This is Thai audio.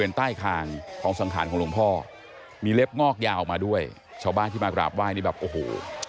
ทางวัดเขาก็นำภาพถ่ายของลงพ่อมาให้ประชาชนได้ทำแบบโอ้โห